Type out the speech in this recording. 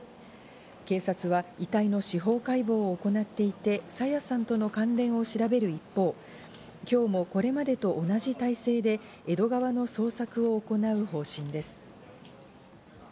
警察は遺体の司法解剖を行っていて、朝芽さんとの関連を調べる一方、今日これまでと同じ態勢で江戸川の捜索を行う方針です。